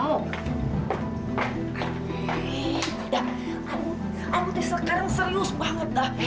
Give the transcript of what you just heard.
amu amu sekarang serius banget dah